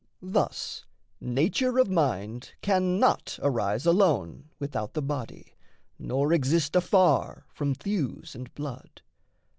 Thus nature of mind cannot arise alone Without the body, nor exist afar From thews and blood.